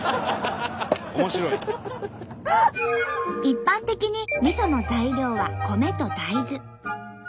一般的にみその材料は米と大豆。